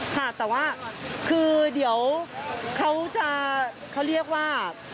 ค่ะแต่ว่าคือเดี๋ยวเขาจะเขาเรียกว่า